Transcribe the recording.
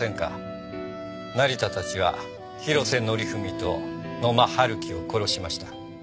成田たちは広瀬則文と野間春樹を殺しました。